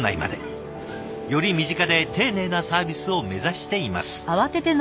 より身近で丁寧なサービスを目指しています。